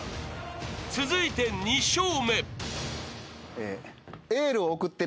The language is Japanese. ［続いて２笑目］